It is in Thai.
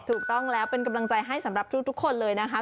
ถูกต้องแล้วเป็นกำลังใจให้สำหรับทุกคนเลยนะคะ